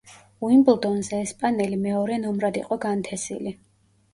უიმბლდონზე ესპანელი მეორე ნომრად იყო განთესილი.